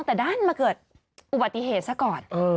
แต่ด้านมาเกิดอุบัติเหตุซะก่อน